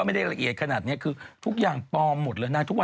โอ้อีกหน่อยก็มีผัวได้เลยออพอุ้ย